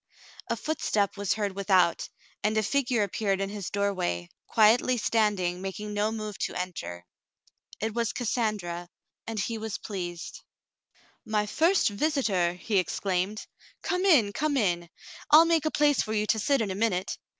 A footstep was heard without, and a figure appeared in his doorway, quietly standing, making no move to enter. It was Cassandra, and he was pleased. *'My first visitor !" he exclaimed. "Come in, come in. I'll make a place for you to sit in a minute."